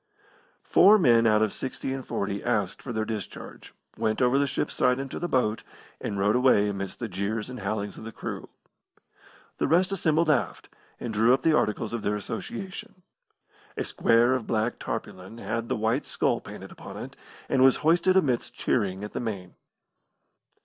Four men out of six and forty asked for their discharge, went over the ship's side into the boat, and rowed away amidst the jeers and howlings of the crew. The rest assembled aft, and drew up the articles of their association. A square of black tarpaulin had the white skull painted upon it, and was hoisted amidst cheering at the main.